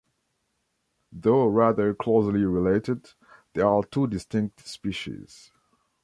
Though rather closely related, they are two distinct species.